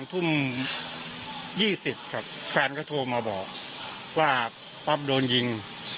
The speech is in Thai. ทุ่ม๒๐ครับแฟนก็โทรมาบอกว่าป๊อปโดนยิง